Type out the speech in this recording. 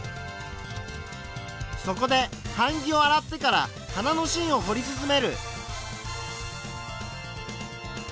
そこで版木をあらってから花のしんをほり進める。